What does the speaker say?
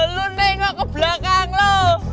lu nengok ke belakang lu